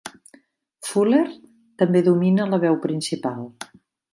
Fuller també domina la veu principal.